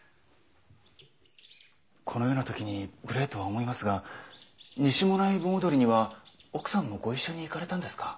このようなときに無礼とは思いますが西馬音内盆踊りには奥さんもご一緒に行かれたんですか？